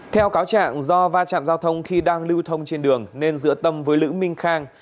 theo cáo trạng do va chạm giao thông khi đang lưu thông trên đường nên giữa tâm với lữ minh khang